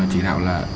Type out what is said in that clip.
chỉ nào là